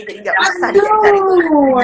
jadi gak usah